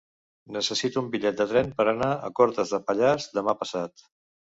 Necessito un bitllet de tren per anar a Cortes de Pallars demà passat.